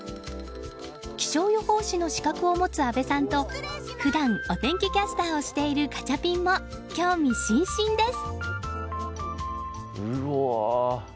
気象予報士の資格を持つ阿部さんと普段お天気キャスターをしているガチャピンも興味津々です。